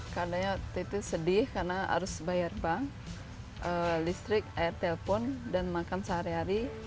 keadaannya waktu itu sedih karena harus bayar bank listrik air telpon dan makan sehari hari